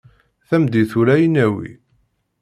Tameddit ula i nawi.